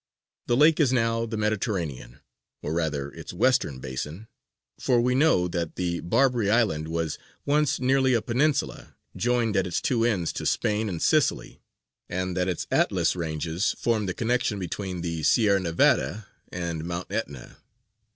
The lake is now the Mediterranean, or rather its western basin, for we know that the Barbary island was once nearly a peninsula, joined at its two ends to Spain and Sicily, and that its Atlas ranges formed the connection between the Sierra Nevada and Mt. Aetna.